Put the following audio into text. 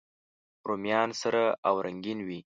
رومیان سره او رنګین وي